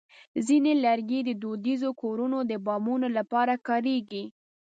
ځینې لرګي د دودیزو کورونو د بامونو لپاره کارېږي.